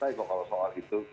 biasa kalau soal itu